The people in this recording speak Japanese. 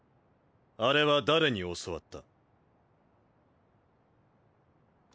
あれは誰に教わった？